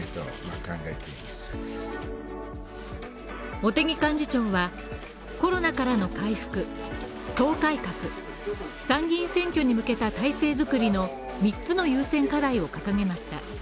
茂木幹事長はコロナからの回復、党改革参議院選挙に向けた体制作りの三つの優先課題を掲げました。